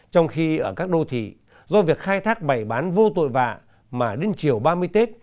trong khi ở các đô thị do việc khai thác bày bán vô tội vạ mà đến chiều ba mươi tết